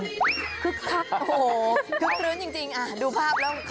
คลึกโอ้โฮคลึ้นจริงดูภาพแล้วเข้าใจค่ะ